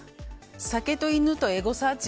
酒と犬とエゴサーチ。